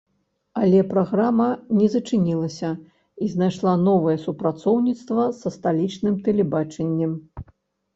Але праграма не зачынілася і знайшла новае супрацоўніцтва са сталічным тэлебачаннем.